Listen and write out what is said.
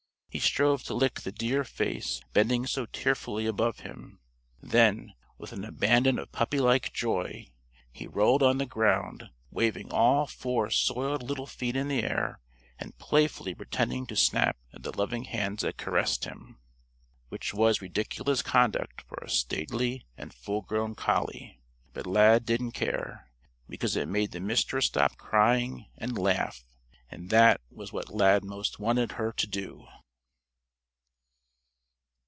He strove to lick the dear face bending so tearfully above him. Then, with an abandon of puppylike joy, he rolled on the ground waving all four soiled little feet in the air and playfully pretending to snap at the loving hands that caressed him. Which was ridiculous conduct for a stately and full grown collie. But Lad didn't care, because it made the Mistress stop crying and laugh. And that was what Lad most wanted her to do.